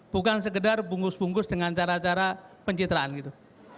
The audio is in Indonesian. bukan sekedar bungkus bungkus dengan cara cara pencitraan gitu